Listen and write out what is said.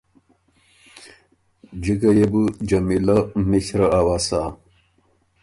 جِکه يې بو جمیلۀ مِݭره اؤسا